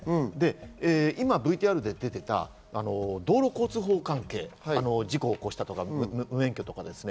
ＶＴＲで出ていた道交法関係、事故を起こしたとか無免許とかですね。